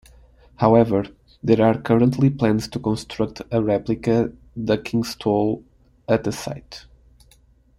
However, there are currently plans to construct a replica ducking stool at the site.